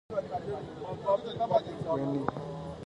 He was the governor of Fort Winnebah.